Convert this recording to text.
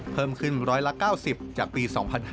เพิ่มขึ้น๑๙๐จากปี๒๕๕๙